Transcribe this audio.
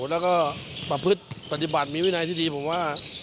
แล้วก็ประพฤติปฏิบัติมีวินัยที่ดีผมว่า